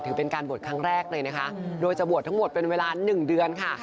ถือเป็นการบวชครั้งแรกเลยนะคะโดยจะบวชทั้งหมดเป็นเวลา๑เดือนค่ะ